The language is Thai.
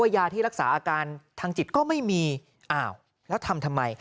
ยาที่รักษาอาการทางจิตก็ไม่มีอ้าวแล้วทำทำไม